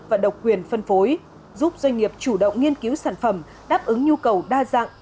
và độc quyền phân phối giúp doanh nghiệp chủ động nghiên cứu sản phẩm đáp ứng nhu cầu đa dạng